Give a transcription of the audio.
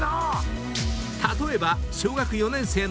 ［例えば］